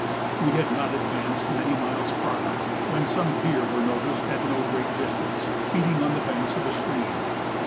We had not advanced many miles farther, when some deer were noticed at no great distance, feeding on the banks of a stream.